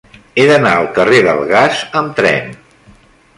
He d'anar al carrer del Gas amb tren.